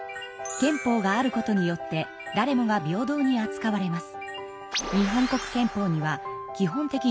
憲法があることによって誰もが平等にあつかわれます。